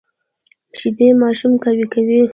شیدې ماشوم قوي کوي